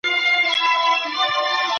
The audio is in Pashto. ماشومان د نورو سره همکاري زده کوي.